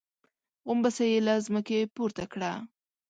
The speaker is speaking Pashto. غومبسه يې له ځمکې پورته کړه.